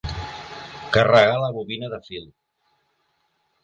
Carregar la bobina de fil.